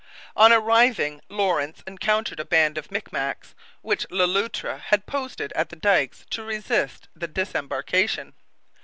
On arriving, Lawrence encountered a band of Micmacs, which Le Loutre had posted at the dikes to resist the disembarkation.